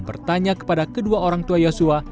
bertanya kepada kedua orang tua yosua